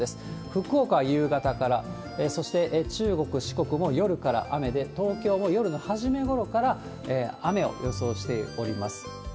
福岡は夕方から、そして中国、四国も夜から雨で、東京も夜のはじめごろから雨を予想しております。